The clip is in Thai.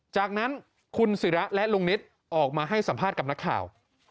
จากนั้นคุณศิระและลุงนิตออกมาให้สัมภาษณ์กับนักข่าว